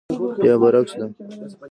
یا برعکس ده.